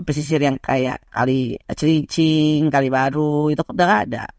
pesisir yang kayak kali cilincing kali baru itu udah nggak ada